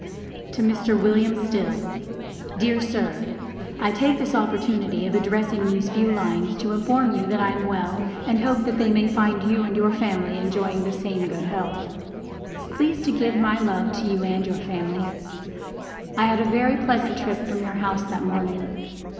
To MR. WM. STILL Dear Sir: I take this opportunity of addressing these few lines to inform you that I am well and hope that they may find you and your family enjoying the same good health. Please to give my love to you and your family. I had a very pleasant trip from your house that morning.